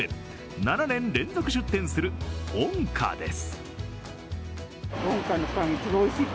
７年連続出店するｏｎｋａです。